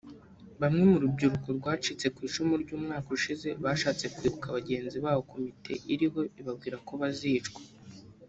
Bamwe mu rubyiruko rwacitse kw’icumu ry’umwaka ushize bashatse kwibuka bagenzi babo komite iriho ibabwira ko bazicwa